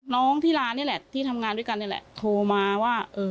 น้องที่ร้านนี่แหละที่ทำงานด้วยกันนี่แหละโทรมาว่าเออ